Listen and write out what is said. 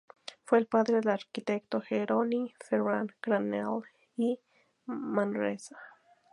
Fue padre del arquitecto Jeroni Ferran Granell i Manresa.